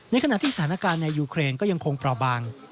ในขณะที่สถานการณ์ในยุเครนยังคงเปล่าบาง